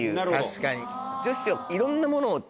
確かに！